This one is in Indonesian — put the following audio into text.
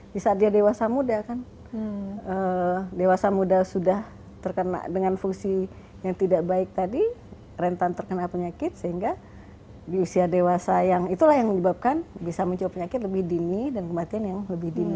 di saat dia dewasa muda kan dewasa muda sudah terkena dengan fungsi yang tidak baik tadi rentan terkena penyakit sehingga di usia dewasa yang itulah yang menyebabkan bisa muncul penyakit lebih dini dan kematian yang lebih dini